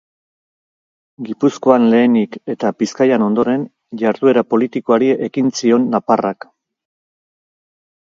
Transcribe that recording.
Gipuzkoan, lehenik, eta Bizkaian, ondoren, jarduera politikoari ekin zion nafarrak.